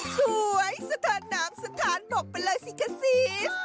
สวยสถานามสถานบกไปเลยสิคะซีส